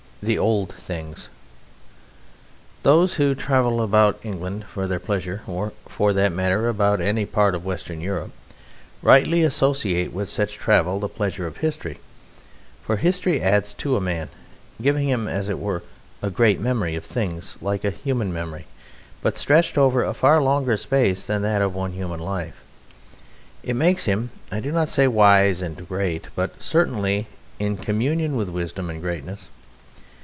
The Old Things Those who travel about England for their pleasure, or, for that matter, about any part of Western Europe, rightly associate with such travel the pleasure of history; for history adds to a man, giving him, as it were, a great memory of things like a human memory, but stretched over a far longer space than that of one human life. It makes him, I do not say wise and great, but certainly in communion with wisdom and greatness.